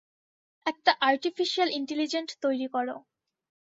একটা artificial intelligent তৈরি করো।